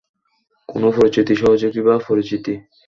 কোন পরিচিত সহযোগী বা পরিচিতি?